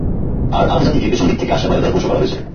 আর আদ জাতিকে পেছন দিক থেকে আসা বায়ু দ্বারা ধ্বংস করা হয়েছে।